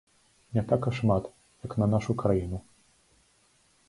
Не так і шмат, як на нашу краіну.